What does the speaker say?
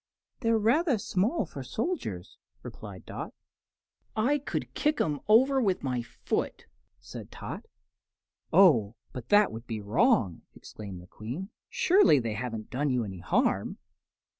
"They're rather small for soldiers," replied Dot. "I could kick 'em all over with my foot!" said Tot. "Oh, but that would be wrong," exclaimed the Queen. "Surely they haven't done you any harm."